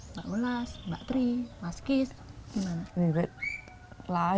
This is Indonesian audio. mbak melas mbak tris mas kis gimana